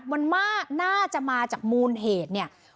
มันว่าน่าจะมาจากมูลเหตุเนี่ย